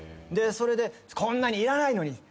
でそれでこんなにいらないのに。